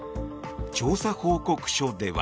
調査報告書では。